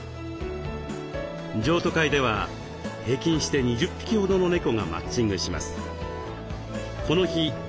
譲渡会では平均して２０匹ほどの猫がマッチングします。